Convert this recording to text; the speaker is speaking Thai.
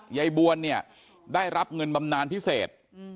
ยายบวนเนี่ยได้รับเงินบำนานพิเศษ